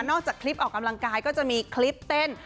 จากคลิปออกกำลังกายก็จะมีคลิปเต้น